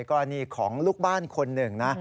กรณีของลูกบ้านคนหนึ่งนะ